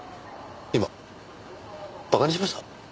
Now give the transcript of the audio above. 今馬鹿にしました？